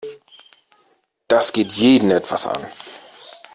Das geht jeden etwas an.